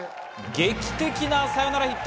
劇的なサヨナラヒット。